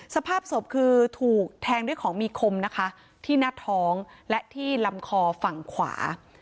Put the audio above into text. สภาพศพคือถูกแทงด้วยของมีคมนะคะที่หน้าท้องและที่ลำคอฝั่งขวา